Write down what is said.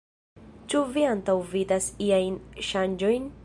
Ĉu vi antaŭvidas iajn ŝanĝojn?